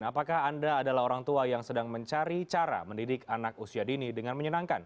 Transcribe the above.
apakah anda adalah orang tua yang sedang mencari cara mendidik anak usia dini dengan menyenangkan